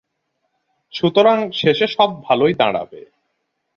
সুতরাং শেষে সব ভালই দাঁড়াবে।